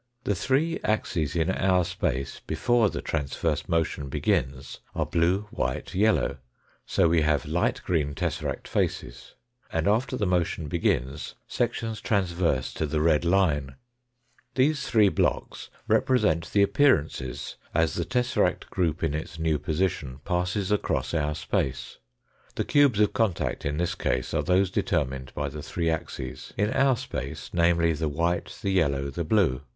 The three axes in our space before the transverse motion begins are blue, white, yellow, so we have light green tesseract faces, and after the motion begins sections transverse to the red light. These three blocks represent the appearances as the tesseract group in its new position passes across our space. The cubes of contact in this case are those determinal by the three axes^in our space, namely, the white, the yellow, the blue.